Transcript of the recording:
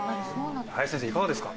林先生いかがですか？